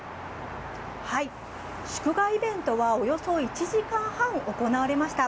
祝賀イベントはおよそ１時間半行われました。